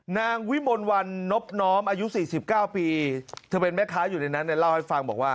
นางวิมลวันนบน้อมอายุ๔๙ปีเธอเป็นแม่ค้าอยู่ในนั้นเนี่ยเล่าให้ฟังบอกว่า